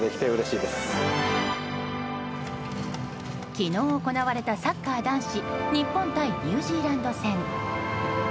昨日行われたサッカー男子日本対ニュージーランド戦。